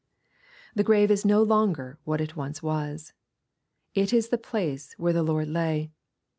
The grave is no longer what it once was. It is the place where the Lord lay.